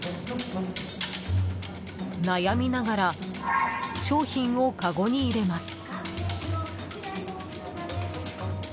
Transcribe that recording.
悩みながら商品をかごに入れます。